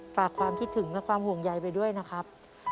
ฝากความคิดถึงและความห่วงใยไปด้วยนะครับ